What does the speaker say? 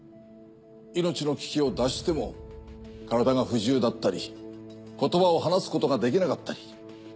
命の危機を脱しても体が不自由だったり言葉を話すことができなかったり。